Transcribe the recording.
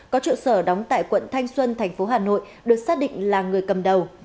có trụ sở đóng tại quận thanh xuân thành phố hà nội được xác định là người cầm đầu